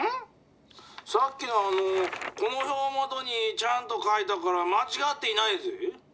さっきのこの表をもとにちゃんと書いたからまちがっていないぜぇ。